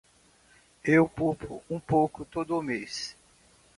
Eu poupo um pouco todo mês.